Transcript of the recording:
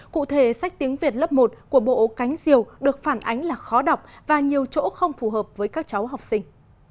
cụ thể sách tiếng việt lớp một của bộ cánh diều được phản ánh là khó đọc và nhiều chỗ không phù hợp với các cháu học sinh